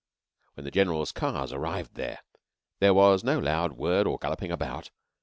When the Generals' cars arrived there, there was no loud word or galloping about.